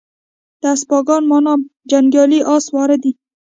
د اسپاگان مانا جنگيالي اس سواره دي